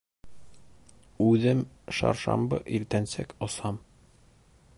Үҙем шаршамбы иртәнсәк осам